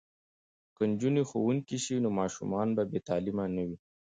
که نجونې ښوونکې شي نو ماشومان به بې تعلیمه نه وي.